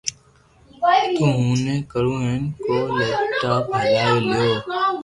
تو ھون بي ڪرو ني ڪو ليپ ٽام ھلاوي ليو